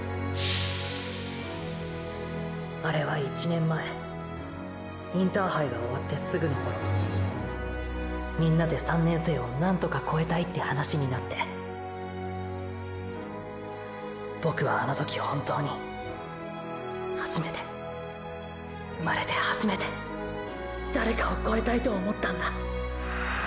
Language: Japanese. あれは１年前インターハイが終わってすぐの頃みんなで３年生を何とか超えたいって話になってボクはあの時本当にはじめて生まれてはじめて誰かを超えたいと思ったんだ！！